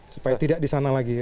supaya tidak di sana lagi